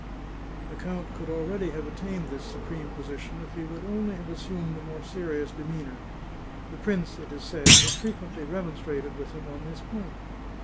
The count could already have attained this supreme position if he would only have assumed a more serious demeanour. The prince, it is said, has frequently remonstrated with him on this point.